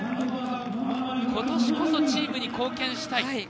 ことしこそチームに貢献したい。